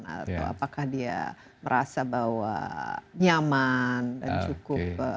atau apakah dia merasa bahwa nyaman dan cukup